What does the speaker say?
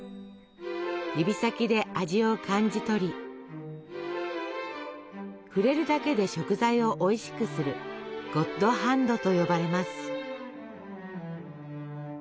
指先で味を感じ取り触れるだけで食材をおいしくする「ゴッドハンド」と呼ばれます。